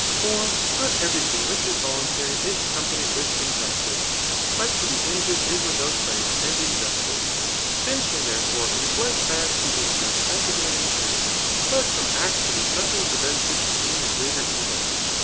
For not every thing which is voluntary is accompanied vnth injustice; but to be injured is without vice and injustice. Essentially, therefore, it is less bad to be injured than to do an injury ; but from accident nothing prevents it from being a greater evil.